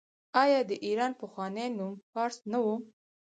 آیا د ایران پخوانی نوم فارس نه و؟